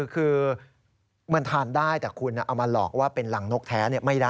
คือมันทานได้แต่คุณเอามาหลอกว่าเป็นรังนกแท้ไม่ได้